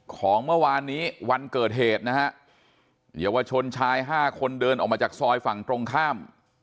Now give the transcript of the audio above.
ของเมื่อวานนี้วันเกิดเหตุนะฮะเยาวชนชายห้าคนเดินออกมาจากซอยฝั่งตรงข้าม